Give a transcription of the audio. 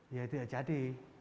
ya tidak jadi